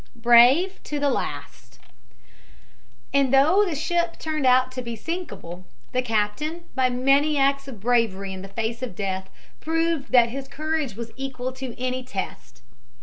BRAVE TO THE LAST And though the ship turned out to be sinkable, the captain, by many acts of bravery in the face of death, proved that his courage was equal to any test.